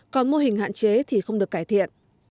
còn mô hình hạn chế thì không được cải thiện